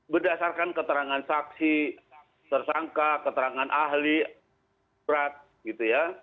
berdasarkan keterangan saksi tersangka keterangan ahli berat gitu ya